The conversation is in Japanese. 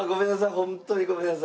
ホントにごめんなさい。